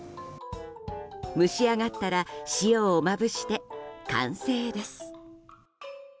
蒸しあがったら塩をまぶして完成です。